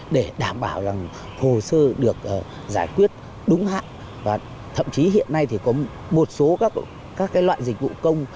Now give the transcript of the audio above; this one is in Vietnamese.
để đảm bảo rằng hồ sơ được giải quyết đúng hạn và thậm chí hiện nay thì có một số các loại dịch vụ công